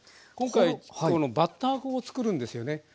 今回バッター粉を作るんですよね。